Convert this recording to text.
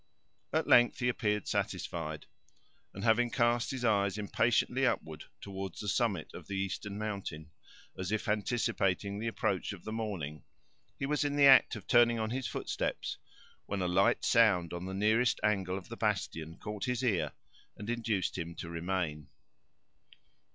At length he appeared satisfied; and having cast his eyes impatiently upward toward the summit of the eastern mountain, as if anticipating the approach of the morning, he was in the act of turning on his footsteps, when a light sound on the nearest angle of the bastion caught his ear, and induced him to remain.